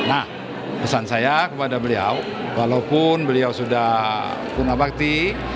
nah pesan saya kepada beliau walaupun beliau sudah punya bakti